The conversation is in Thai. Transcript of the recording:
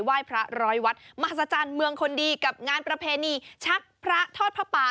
ยพระร้อยวัดมหัศจรรย์เมืองคนดีกับงานประเพณีชักพระทอดผ้าป่า